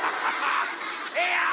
ええやん！